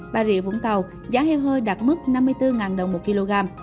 bà rịa vũng tàu giá heo hơi đạt mức năm mươi bốn đồng một kg